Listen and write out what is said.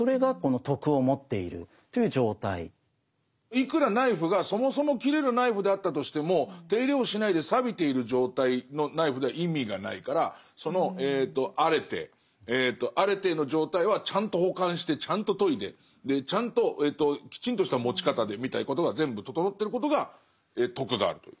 いくらナイフがそもそも切れるナイフであったとしても手入れをしないでさびている状態のナイフでは意味がないからそのアレテーアレテーの状態はちゃんと保管してちゃんと研いでちゃんときちんとした持ち方でみたいなことが全部整ってることが「徳がある」という。